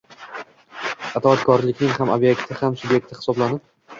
itoatkorlikning ham ob’ekti ham sub’ekti hisoblanib